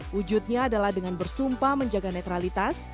wujudnya adalah dengan bersumpah menjaga netralitas